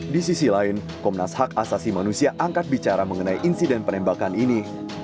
di sisi lain komnas hak asasi manusia angkat bicara mengenai insiden penembakan ini